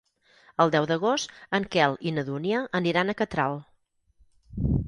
El deu d'agost en Quel i na Dúnia aniran a Catral.